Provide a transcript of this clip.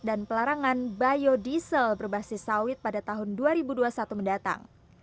dan pelarangan biodiesel berbasis sawit pada tahun dua ribu dua puluh satu mendatang